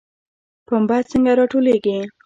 پنبه څنګه راټولیږي؟